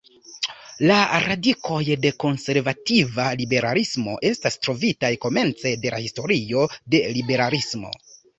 La radikoj de konservativa liberalismo estas trovitaj komence de la historio de liberalismo.